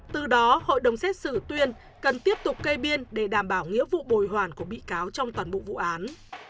từ đó hội đồng xét xử tuyên cần tiếp tục kê biên để đảm bảo nghĩa vụ bồi hoàn của bị cáo trong toàn bộ vụ án